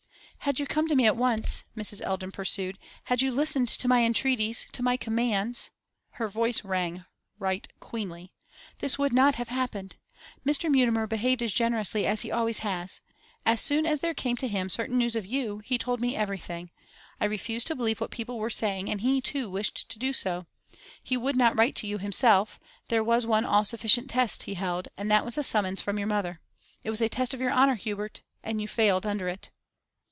'Had you come to me at once,' Mrs. Eldon pursued, 'had you listened to my entreaties, to my commands' her voice rang right queenly 'this would not have happened. Mr. Mutimer behaved as generously as he always has. As soon as there came to him certain news of you, he told me everything. I refused to believe what people were saying, and he too wished to do so. He would not write to you himself; there was one all sufficient test, he held, and that was a summons from your mother. It was a test of your honour, Hubert and you failed under it.